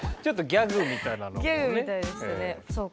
ギャグみたいでしたね。